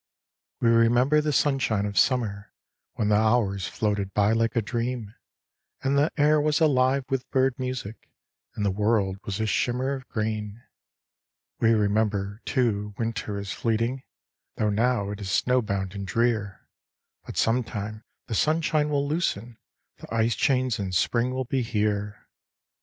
"We remember the sunshine of summer, When the hours floated by like a dream, And the air was alive with bird music And the world was a shimmer of green. "We remember, too, winter is fleeting, Though now it is snow bound and drear; But sometime the sunshine will loosen The ice chains and spring will be here.